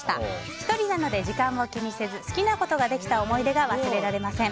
１人なので時間を気にせず好きなことができた思い出が忘れられません。